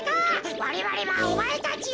われわれはおまえたちを。